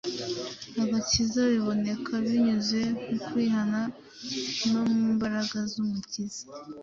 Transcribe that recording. agakiza biboneka binyuze mu kwihana no mu mbaraga y’Umukiza.